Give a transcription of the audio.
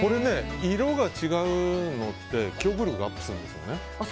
色が違うのって記憶力アップするんですよね。